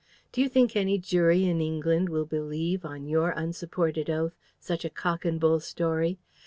Do you think any jury in England will believe, on your unsupported oath, such a cock and bull story?